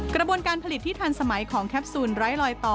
กระบวนการผลิตที่ทันสมัยของแคปซูลไร้ลอยต่อ